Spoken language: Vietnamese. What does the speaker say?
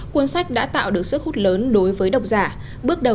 cuốn sách đã tạo được sức hút lớn đối với độc giả